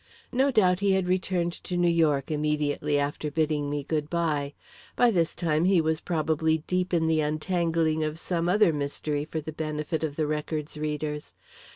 No doubt he had returned to New York immediately after bidding me good bye; by this time he was probably deep in the untangling of some other mystery for the benefit of the Record's readers.